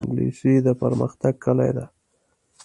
انګلیسي د پرمختګ کلي ده